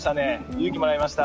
勇気もらいました。